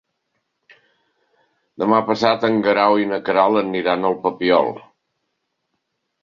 Demà passat en Guerau i na Queralt aniran al Papiol.